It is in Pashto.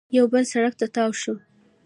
یو بل سړک ته تاو شول